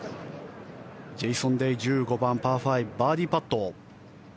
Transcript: ジェイソン・デイ１５番、パー５バーディーパット。